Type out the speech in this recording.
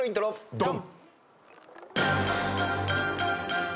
ドン！